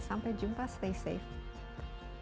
sampai jumpa stay safe